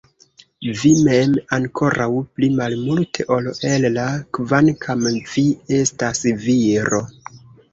Vi mem ankoraŭ pli malmulte ol Ella kvankam vi estas viro!